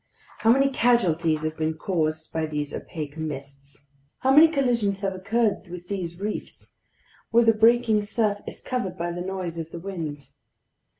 How many casualties have been caused by these opaque mists! How many collisions have occurred with these reefs, where the breaking surf is covered by the noise of the wind!